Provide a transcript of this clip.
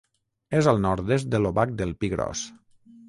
És al nord-est de l'Obac del Pi Gros.